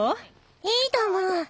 いいと思う。